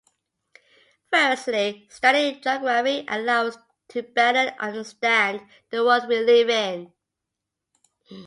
Firstly, studying geography allows us to better understand the world we live in.